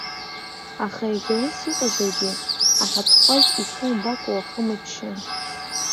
Аха егьа ус иҟазаргьы, аҳаҭхәажә иҭоу умбакәа уахымыччан.